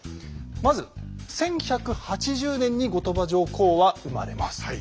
まず１１８０年に後鳥羽上皇は生まれます。